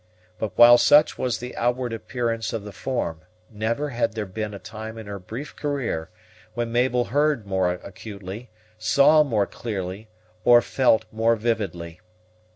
But while such was the outward appearance of the form, never had there been a time in her brief career when Mabel heard more acutely, saw more clearly, or felt more vividly.